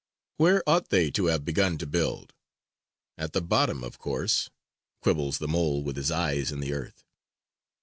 Where ought they to have begun to build? At the bottom, of course, quibbles the mole with his eyes in the earth.